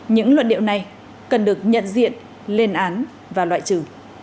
những luận điệu này cần được nhận diện lên án và loại trừ